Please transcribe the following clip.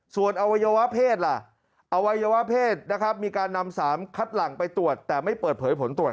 ส่วนอวัยวะเพศล่ะอวัยวะเพศนะครับมีการนำ๓คัดหลังไปตรวจแต่ไม่เปิดเผยผลตรวจ